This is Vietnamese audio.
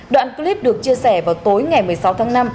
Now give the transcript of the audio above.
đoạn clip được chia sẻ vào tối ngày một mươi sáu tháng năm